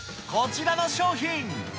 こちらの商品。